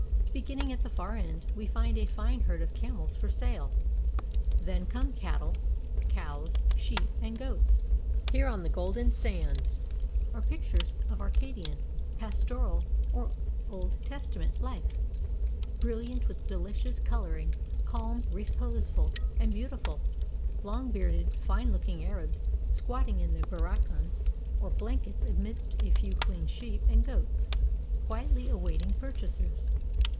Begirming at the far end, we find a fine herd of camels for sale; then come cattle: cows, sheep, and goats. Here, on the golden sands, are pictures of Arcadian, pastoral, or Old Testament life, brilliant with delicious color ing, calm, reposeful, and beautiful; long bearded, fine looking Arabs squatting in their haracans or blankets amidst a few clean sheep and goats, quietly awaiting purchasers.